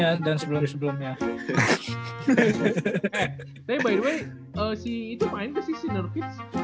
iya dan sebelumnya sebelumnya ya udah jadi bintang sih di porto kan